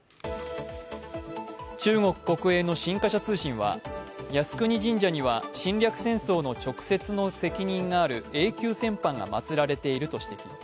中国の国営の新華社通信は靖国神社には侵略戦争の直接の責任があるＡ級戦犯がまつられていると指摘。